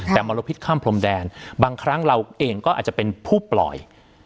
แต่มลพิษข้ามพรมแดนบางครั้งเราเองก็อาจจะเป็นผู้ปล่อย